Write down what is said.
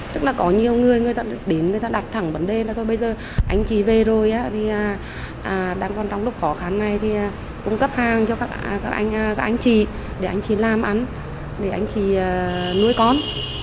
tức là có nhiều người người ta đến người ta đặt thẳng vấn đề là thôi bây giờ anh chị về rồi thì đang còn trong lúc khó khăn này thì cung cấp hàng cho các anh các anh chị để anh chị làm ăn để anh chị nuôi con